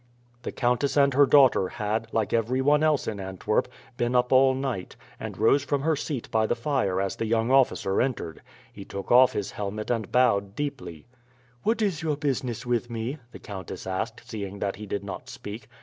The countess and her daughter had, like every one else in Antwerp, been up all night, and rose from her seat by the fire as the young officer entered. He took off his helmet and bowed deeply. "What is your business with me?" the countess asked, seeing that he did not speak.